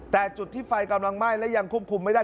แต่จุดที่ไฟกำลังไหม้และยังควบคุมไม่ได้